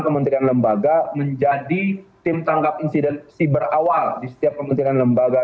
kementerian lembaga menjadi tim tanggap insidensi berawal di setiap kementerian lembaga